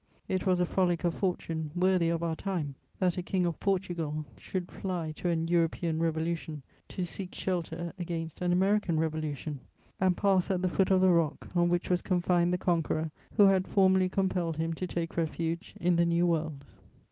It was a frolic of fortune worthy of our time that a king of Portugal should fly to an European revolution to seek shelter against an American revolution, and pass at the foot of the rock on which was confined the conqueror who had formerly compelled him to take refuge in the New World.